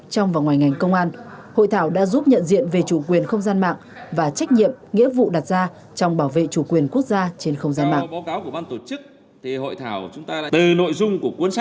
trong và ngoài ngành công an hội thảo đã giúp nhận diện về chủ quyền không gian mạng và trách nhiệm nghĩa vụ đặt ra trong bảo vệ chủ quyền quốc gia trên không gian mạng